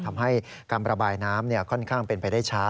ทำให้การระบายน้ำค่อนข้างเป็นไปได้ช้า